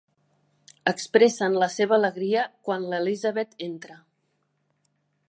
Expressen la seva alegria quan l'Elizabeth entra.